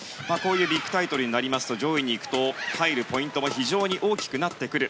ビッグタイトルになりますと上位に行くと入るポイントも非常に大きくなってくる。